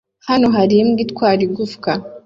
Hano hari imbwa itwaye igufwa